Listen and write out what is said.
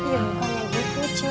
ya orangnya gitu c